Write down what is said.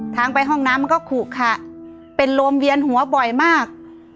ทางไปห้องน้ำมันก็ขุขะเป็นลมเวียนหัวบ่อยมาก